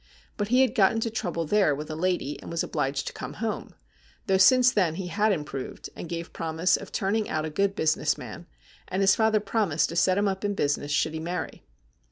But he had got into trouble there with a lady, and was obliged to come home, though since then he had improved, and gave promise of turning out a good business man, and his father promised to set him up in business should he marry.